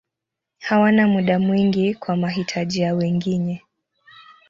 Hawana muda mwingi kwa mahitaji ya wengine.